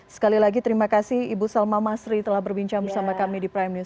sekali lagi terima kasih ibu salma masri telah berbincang bersama kami di prime news